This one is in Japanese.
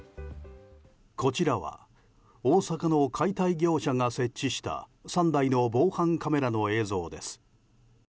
こちらは大阪の解体業者が設置した３台の防犯カメラの映像です。